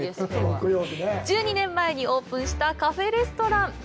１２年前にオープンしたカフェレストラン。